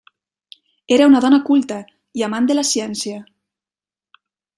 Era una dona culta i amant de la ciència.